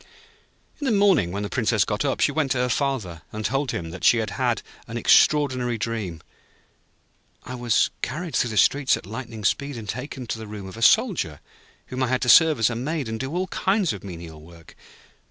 In the morning when the Princess got up, she went to her Father, and told him that she had had an extraordinary dream. 'I was carried through the streets at lightning speed, and taken to the room of a Soldier, whom I had to serve as a maid, and do all kinds of menial work.